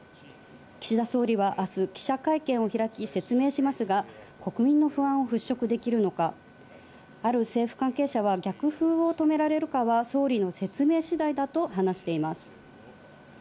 岸田総理はあす記者会見を開き説明しますが、国民の不安を払拭できるのか、ある政府関係者は逆風を止められるかは総理の説明次第だと話しています。